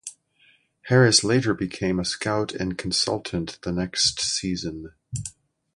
Harris later became a scout and consultant the next season.